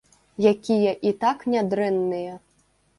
Якія і так нядрэнныя.